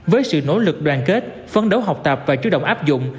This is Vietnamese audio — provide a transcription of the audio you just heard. với sự nỗ lực đoàn kết phấn đấu học tập và chủ động áp dụng